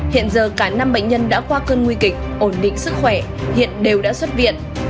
hiện giờ cả năm bệnh nhân đã qua cơn nguy kịch ổn định sức khỏe hiện đều đã xuất viện